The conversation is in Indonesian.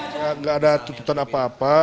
tidak ada tuntutan apa apa